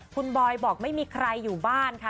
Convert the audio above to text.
คุณบอยบอกไม่มีใครอยู่บ้านค่ะ